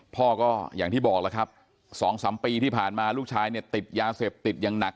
พ่อก็อย่างที่บอกแล้วครับ๒๓ปีที่ผ่านมาลูกชายเนี่ยติดยาเสพติดอย่างหนัก